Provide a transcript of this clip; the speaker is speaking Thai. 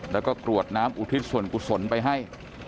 แล้วก็กรวดน้ำอุทิศส่วนกุศลไปให้